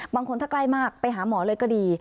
บางคนถ้าใกล้มากไปหาหมอเลยก็ดี